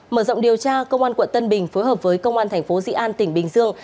mở rộng điều tra công an quận tân bình phối hợp với công an tp di an tỉnh bình dương